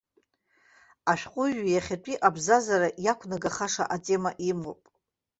Ашәҟәыҩҩы иахьатәи абзазара иақәнагахаша атема имоуп.